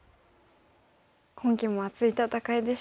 今期も熱い戦いでしたね。